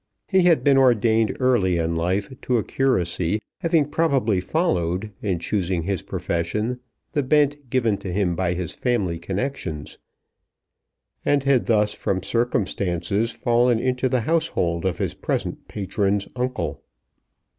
He had been ordained early in life to a curacy, having probably followed, in choosing his profession, the bent given to him by his family connections, and had thus from circumstances fallen into the household of his present patron's uncle.